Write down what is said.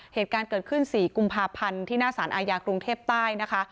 เหตุการณ์เกิดขึ้น๔กุมภาพันธ์ที่หน้าสารอาญากรุงเทพใต้นะคะ